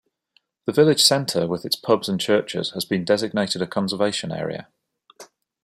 The village centre with its pubs and churches has been designated a conservation area.